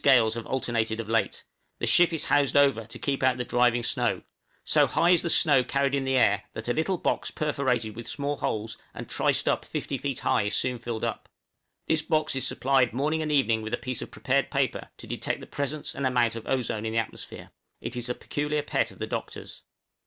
gales have alternated of late; the ship is housed over, to keep out the driving snow; so high is the snow carried in the air that a little box perforated with small holes and triced up 50 feet high is soon filled up; this box is supplied morning and evening with a piece of prepared paper to detect the presence and amount of ozone in the atmosphere; it is a peculiar pet of the Doctor's.